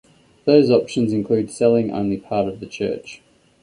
Those options include selling only part of the church.